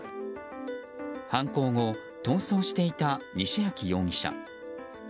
犯行後、逃走していた西秋容疑者。